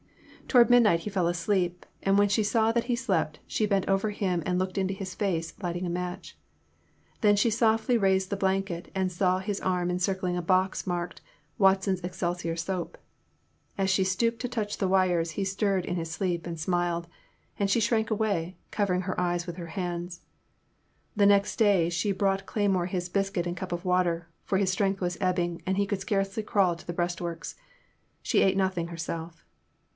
Toward midnight he fell asleep, and when she saw that he slept, she bent over him and looked into his face, lighting a match. Then she softly raised the blanket and saw his arm encircling a box marked Watson's Excelsior Soap." As she stooped to touch the wires he stirred in his sleep and smiled, and she shrank away, covering her eyes with her hands. The next day she brought Cleymore his biscuit and cup of water, for his strength was ebbing, and he could scarcely crawl to the breastworks. She ate nothing her self.